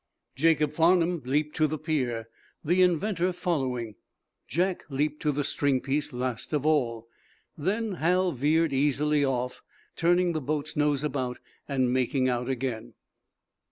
Jacob Farnum leaped to the pier, the inventor following. Jack leaped to the string piece last of all. Then Hal veered easily off, turning the boat's nose about and making out again.